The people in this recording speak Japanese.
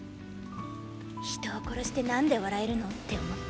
人を殺してなんで笑えるの？って思った。